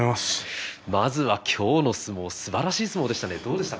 まずは今日の相撲すばらしい相撲でしたね